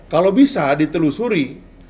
kalau bisa ditelusuri